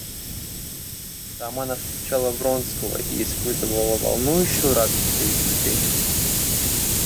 Там она встречала Вронского и испытывала волнующую радость при этих встречах.